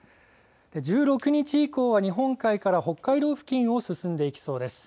１６日以降は、日本海から北海道付近を進んでいきそうです。